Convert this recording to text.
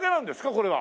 これは。